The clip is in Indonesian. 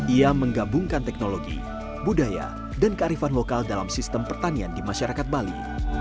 ia menggabungkan teknologi budaya dan kearifan lokal dalam sistem pertanian di masyarakat bali